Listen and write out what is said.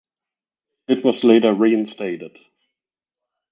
It was later reinstated.